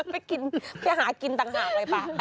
ไปหากินต่างหากเลยป่ะ